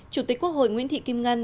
chủ tịch quốc hội nguyễn thị kim ngân